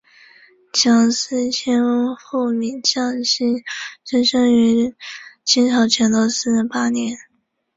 蒋斯千父名蒋祈增生于清朝乾隆四十八年。